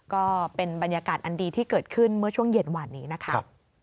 ก็เป็นบรรยากาศอันดีที่เกิดขึ้นเมื่อช่วงเย็นหวานนี้นะคะ